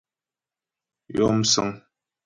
Yɔ msə̌ŋ.